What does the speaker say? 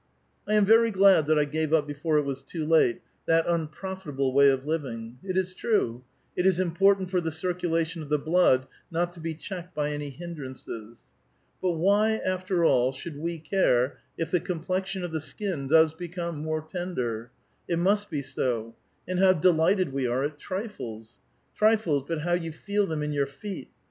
" 1 am very glad that I gave up before it was too late, that unprofitable way of living. It is true ; it is important for the circulation of the blood not to be checked by any hindrances. But why after all should we care if the com plexion of the skin does become more tender? It must be so. And how delighted we are at trifles ! Trifles, but how you feel them in your feet